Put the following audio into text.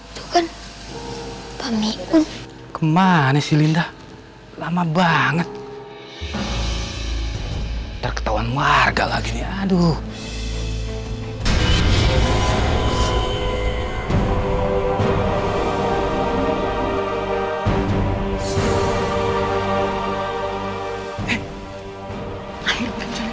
itu kan pamiun kemana silindah lama banget terketawan warga lagi aduh